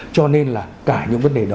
cho nên là cả những vấn đề đó